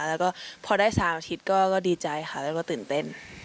แล้วก็พอได้๓อาทิตย์ก็ดีใจค่ะแล้วก็ตื่นเต้น